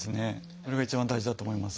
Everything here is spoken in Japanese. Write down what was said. それが一番大事だと思います。